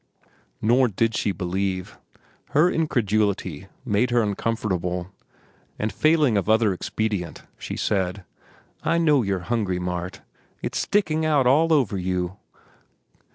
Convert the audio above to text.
Nor did she believe. Her incredulity made her uncomfortable, and failing of other expedient, she said: "I know you're hungry, Mart. It's sticking out all over you.